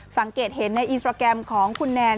สังเกตเห็นในอินสตราแกรมของคุณแนน